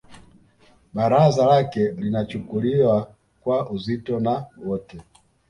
Baraza lake linachukuliwa kwa uzito na wote